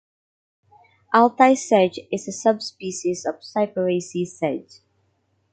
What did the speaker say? Altai sedge is a subspecies of cyperaceae sedge.